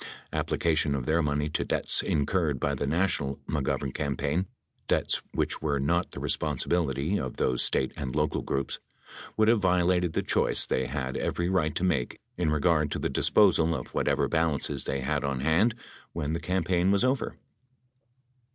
Appli cation of their money to debts incurred by the national Mc Govern campaign — debts which were not the responsibility of those State and local groups — would have violated the choice they had every right to make in regard to the dis posal of whatever balances they had on hand when the cam paign was over.